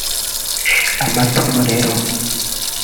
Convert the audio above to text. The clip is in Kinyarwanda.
amatorero